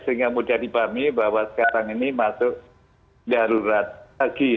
sehingga mudah dipahami bahwa sekarang ini masuk darurat lagi